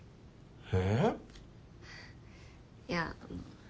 えっ？いや。